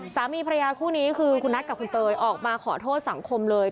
สามีภรรยาคู่นี้คือคุณนัทกับคุณเตยออกมาขอโทษสังคมเลย